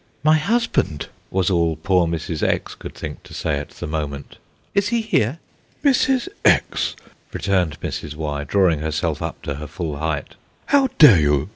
"My husband!" was all poor Mrs. X. could think to say at the moment, "is he here?" "Mrs. X.," returned Mrs. Y., drawing herself up to her full height, "how dare you?"